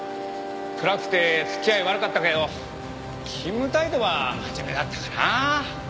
暗くて付き合い悪かったけど勤務態度は真面目だったかな。